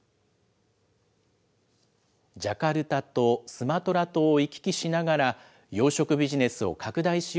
ジャカルタとスマトラ島を行き来しながら、養殖ビジネスを拡大し